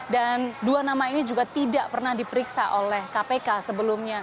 dan dua nama ini juga tidak pernah diperiksa oleh kpk sebelumnya